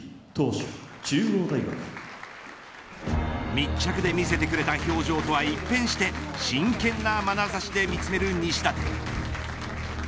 密着で見せてくれた表情とは一変して真剣なまなざしで見詰める西舘。